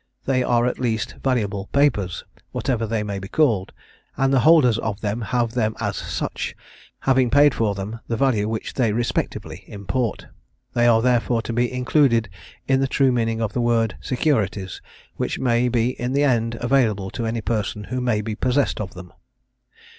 They are at least valuable papers, whatever they may be called, and the holders of them have them as such, having paid for them the value which they respectively import. They are therefore to be included in the true meaning of the word securities, which may be in the end available to any person who may be possessed of them."